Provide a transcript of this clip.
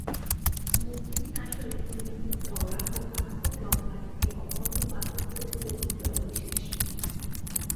মূর্তিটি আসলে তিন ফুট চওড়া ও পাঁচ ফুট লম্বা একটি অখণ্ড পাথর খোদিত বিগ্রহ বিশেষ।